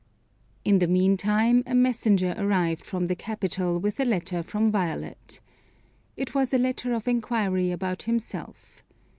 In the meantime, a messenger arrived from the capital with a letter from Violet. It was a letter of inquiry about himself.